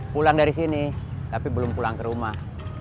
pulang dari sini tapi belum pulang ke rumah